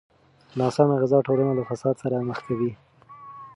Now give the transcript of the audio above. ناسمه غذا ټولنه له فساد سره مخ کوي.